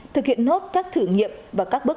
thực hiện nốt các thử nghiệm và các bước